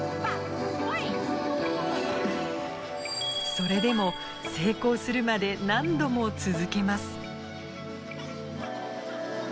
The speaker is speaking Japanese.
それでも成功するまで何度も続けます。